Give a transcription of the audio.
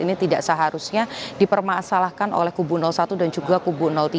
ini tidak seharusnya dipermasalahkan oleh kubu satu dan juga kubu tiga